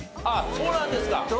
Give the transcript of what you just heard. あっそうなんですか。